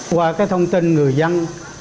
qua cái thông tin người dân